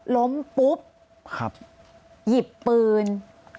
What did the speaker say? ล้มปุ๊บหยิบปืน